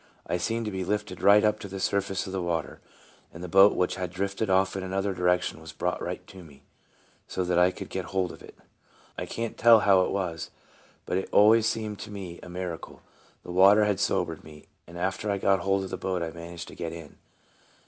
I seemed to be lifted right up to the surface of the water, and the boat which had drifted off in another direction \vas brought right to me, so that I could get hold of it. I can't tell how it was, but it always seemed to me a miracle. The water had sobered me, and after I got hold of the boat I managed to get in.